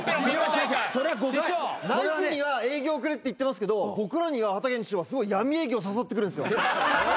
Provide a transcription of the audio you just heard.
ナイツには営業くれって言ってますけど僕らにははたけんじ師匠はすごい闇営業誘ってくるんですよ。